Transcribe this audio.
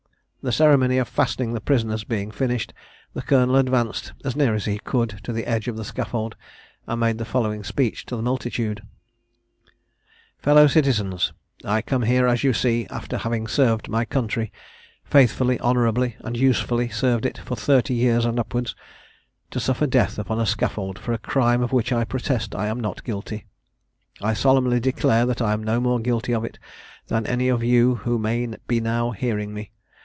The ceremony of fastening the prisoners being finished, the colonel advanced, as near as he could, to the edge of the scaffold, and made the following speech to the multitude: "Fellow Citizens, I come here, as you see, after having served my country faithfully, honourably, and usefully served it, for thirty years and upwards to suffer death upon a scaffold for a crime of which I protest I am not guilty. I solemnly declare that I am no more guilty of it than any of you who may be now hearing me.